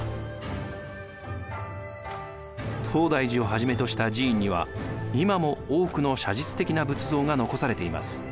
東大寺をはじめとした寺院には今も多くの写実的な仏像が残されています。